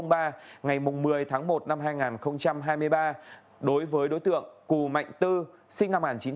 ngày một mươi tháng một năm hai nghìn hai mươi ba đối với đối tượng cù mạnh tư sinh năm một nghìn chín trăm tám mươi ba